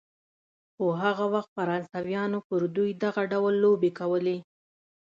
خو هغه وخت فرانسویانو پر دوی دغه ډول لوبې کولې.